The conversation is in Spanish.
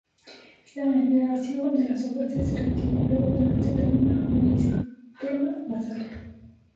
La nerviación de las hojas es reticulada y no presentan un meristema basal.